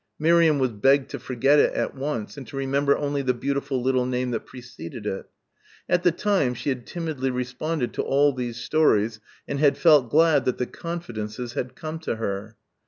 Miriam was begged to forget it at once and to remember only the beautiful little name that preceded it. At the time she had timidly responded to all these stories and had felt glad that the confidences had come to her.